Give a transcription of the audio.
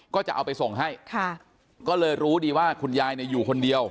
ก็จะเอาไปส่งให้ค่ะก็เลยรู้ดีว่าคุณยายเนี่ยอยู่คนเดียว